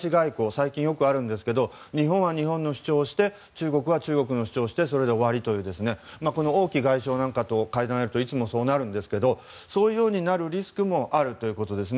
最近、よくあるんですが日本は日本の主張をして中国は中国の主張をしてそれで終わりというこの王毅外相なんかと会談するといつもそうなるんですがそういうふうになるリスクもあるということです。